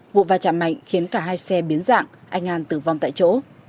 vụ va chạm mạnh khiến cả hai xe biến dạng anh an tử vong tại chỗ